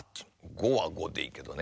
「ご」は「ご」でいいけどね。